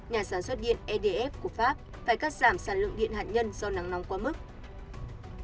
nhà sản xuất điện edf của pháp phải cắt giảm sản lượng điện hạt nhân do nắng nóng quá mức